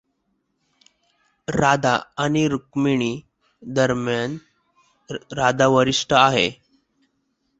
राधा आणि रुक्मिणी दरम्यान, राधा वरिष्ठ आहे.